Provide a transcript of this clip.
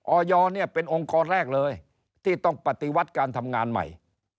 อยเนี่ยเป็นองค์กรแรกเลยที่ต้องปฏิวัติการทำงานใหม่